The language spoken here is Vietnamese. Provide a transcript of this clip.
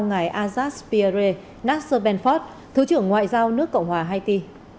ngài azad spirey nasser benford thứ trưởng ngoại giao nước cộng hòa haiti